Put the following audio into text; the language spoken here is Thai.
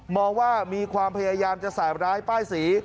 ว่ามีความพยายามจะใส่ร้ายป้ายสี